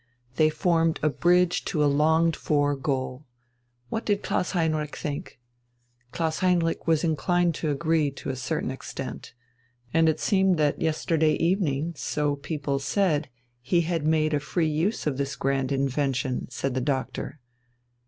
They formed a bridge to a longed for goal. What did Klaus Heinrich think? Klaus Heinrich was inclined to agree to a certain extent. And it seemed that yesterday evening, so people said, he had made a free use of this grand invention, said the doctor.